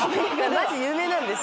マジ有名なんです。